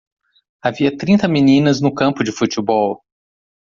Havia trinta meninas no campo de futebol.